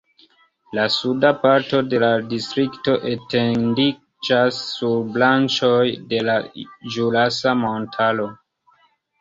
La suda parto de la distrikto etendiĝas sur branĉoj de la Ĵurasa Montaro.